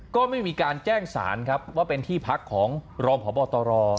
ก็ไม่มีการแจ้งสารครับว่าเป็นที่พักของรองพบตร